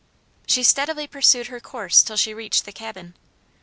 She steadily pursued her course till she reached the cabin.